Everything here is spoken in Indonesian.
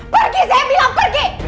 pergi saya bilang pergi